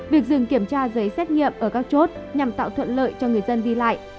việc dừng kiểm tra giấy xét nghiệm ở các chốt nhằm tạo thuận lợi cho người dân đi lại